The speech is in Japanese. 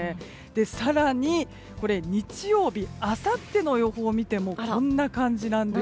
更に、日曜日あさっての予報を見てもこんな感じなんですよ。